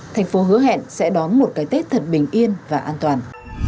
thành phố hứa hẹn sẽ đón một cái tết thật bình yên và an toàn